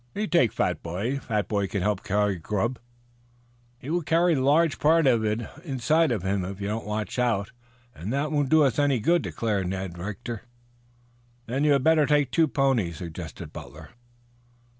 "Me take fat boy. Fat boy help carry grub." "He will carry the large part of it inside of him if you don't watch out, and that won't do us any good," declared Ned Rector. "Then you had better take two ponies," suggested Butler.